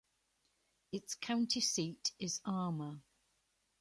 Its county seat is Armour.